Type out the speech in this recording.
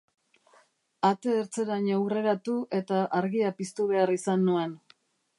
Ate ertzeraino hurreratu eta argia piztu behar izan nuen.